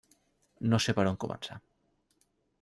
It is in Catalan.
No sé per on començar.